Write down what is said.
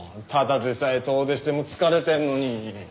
ただでさえ遠出して疲れてんのに。